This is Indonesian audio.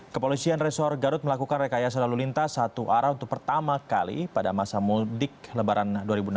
kepolisian resor garut melakukan rekayasa lalu lintas satu arah untuk pertama kali pada masa mudik lebaran dua ribu enam belas